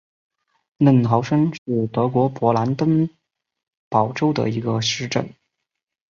嫩豪森是德国勃兰登堡州的一个市镇。